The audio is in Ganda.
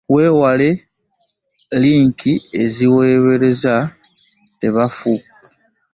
Wewale linki ezikuwewrezebwa tebakufera.